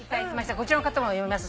こちらの方も読みます。